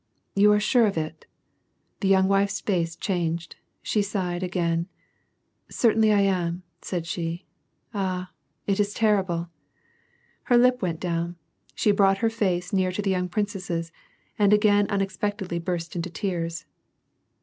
" You are sure of it." The young wife's face changed. She sighed again. " Certainly I am," said she. " Ah, it is terrible." Her lip went down. She brought her face near to the young princess's, and again unexpectedly burst into tears.